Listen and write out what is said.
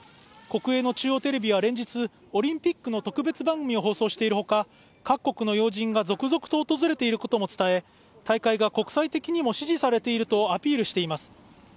国営の中央テレビは連日、オリンピックの特別番組を放送しているほか、各国の要人が続々と訪れていることも伝え大会が国際的にも支持されているとアピールしています。